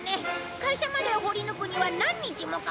会社までを掘り抜くには何日もかかるな。